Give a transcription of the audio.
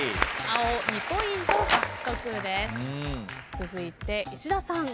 続いて石田さん。